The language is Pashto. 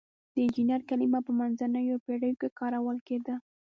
د انجینر کلمه په منځنیو پیړیو کې کارول کیده.